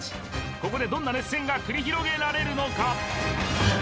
ここでどんな熱戦が繰り広げられるのか！？